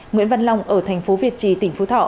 nguyễn văn long ở thành phố việt trì tỉnh phú thọ